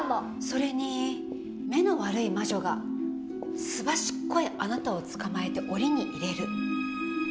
それに目の悪い魔女がすばしっこいあなたを捕まえて檻に入れる。